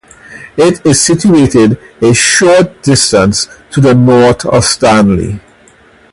It is situated a short distance to the north of Stanley.